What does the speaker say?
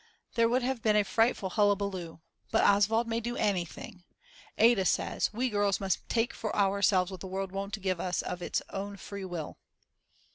There would have been a frightful hulabaloo. But Oswald may do anything. Ada says: We girls must take for ourselves what the world won't give us of its own free will.